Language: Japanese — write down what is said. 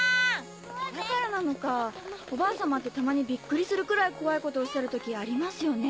だからなのかぁおばあ様ってたまにびっくりするくらい怖いことおっしゃる時ありますよね。